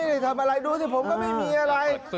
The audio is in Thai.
ทำอะไรดูสิผมก็ไม่มีอะไร